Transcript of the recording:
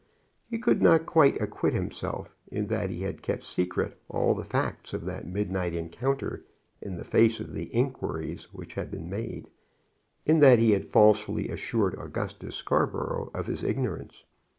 He could not quite acquit himself in that he had kept secret all the facts of that midnight encounter in the face of the inquiries which had been made, in that he had falsely assured Augustus Scarborough of his ignorance.